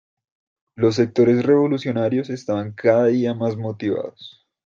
Los sectores revolucionarios estaban cada día más motivados.